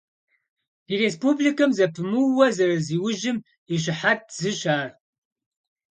Ди республикэм зэпымыууэ зэрызиужьым и щыхьэт зыщ ар.